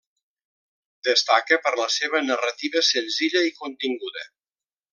Destaca per la seva narrativa senzilla i continguda.